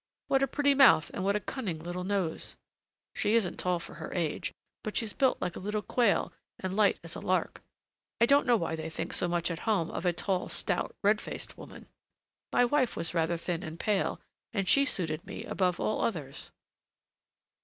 What a pretty mouth and what a cunning little nose! She isn't tall for her age, but she's built like a little quail and light as a lark! I don't know why they think so much at home of a tall, stout, red faced woman. My wife was rather thin and pale, and she suited me above all others.